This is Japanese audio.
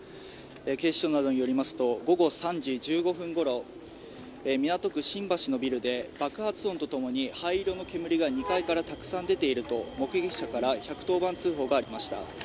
警視庁などによりますと午後３時１５分ごろ港区新橋のビルで爆発音と共に灰色の煙が２階からたくさん出ていると目撃者から１１０番通報がありました。